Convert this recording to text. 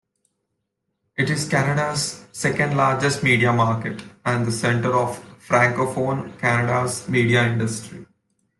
It is Canada's second-largest media market, and the centre of francophone Canada's media industry.